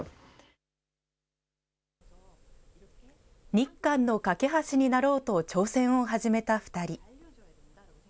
日韓の懸け橋になろうと挑戦を始めた２人。